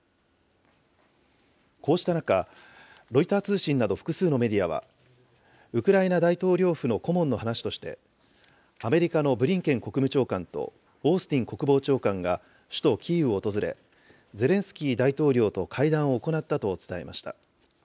こうした中、ロイター通信など複数のメディアは、ウクライナ大統領府の顧問の話として、アメリカのブリンケン国務長官とオースティン国防長官が首都キーウを訪れ、ゼレンスキー大統領と会談を行ったと伝えました。